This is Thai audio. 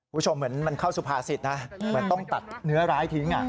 คุณผู้ชมเหมือนมันเข้าสุภาษิตนะเหมือนต้องตัดเนื้อร้ายทิ้ง